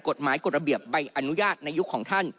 กฎหมายกฎระเบียบใบอนุญาตในยุคของท่าน